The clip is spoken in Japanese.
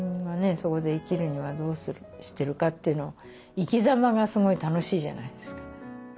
そこで生きるにはどうしてるかっていうのを生き様がすごい楽しいじゃないですか。